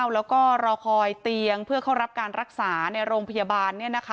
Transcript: แล้วก็รอคอยเตียงเพื่อเข้ารับการรักษาในโรงพยาบาล